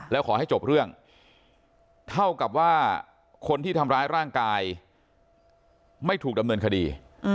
แล้วขอให้จบเรื่องเท่ากับว่าคนที่ทำร้ายร่างกายไม่ถูกดำเนินคดี